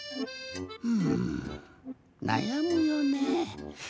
うんなやむよね。